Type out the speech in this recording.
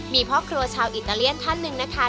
มีพ่อครัวชาวอิตาเลียนท่านหนึ่งนะคะ